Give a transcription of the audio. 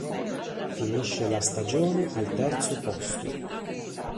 Finisce la stagione al terzo posto.